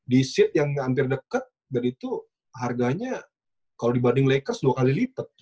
di seat yang hampir dekat dan itu harganya kalau dibanding lakers dua kali lipat